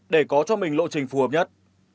để có cho mình lộ trình phù hợp nhất